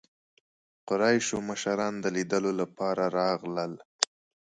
قریشو مشران د لیدلو لپاره راغلل.